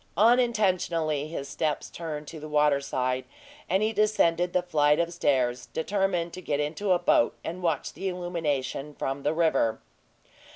Unintentionally his steps turned to the water side, and he descended the flight of stairs, determined to get into a boat and watch the illumination from the river.